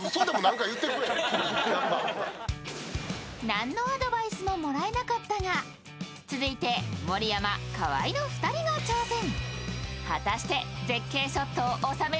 何のアドバイスももらえなかったが、続いて盛山、河井の２人が挑戦。